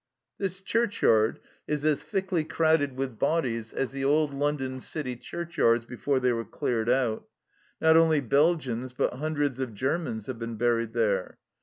This churchyard is as thickly crowded with bodies as the old London city churchyards before they were cleared out. Not only Belgians, but hundreds of Germans have been buried there.